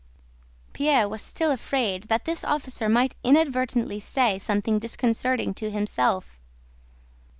Pierre was still afraid that this officer might inadvertently say something disconcerting to himself.